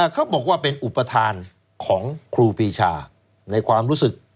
เขาบอกว่าเป็นอุปทานของครูปีชาในความรู้สึก